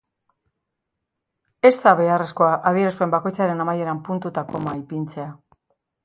Ez da beharrezkoa adierazpen bakoitzaren amaieran puntu eta koma ipintzea.